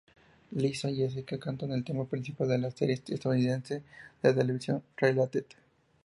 Lisa y Jessica cantan el tema principal de la serie estadounidense de televisión Related.